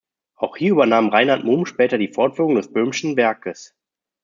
Auch hier übernahm Reinhard Mumm später die Fortführung des Böhme’schen Werkes.